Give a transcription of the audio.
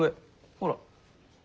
ほら！